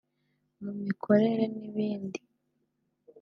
mu mikorere n’ibindi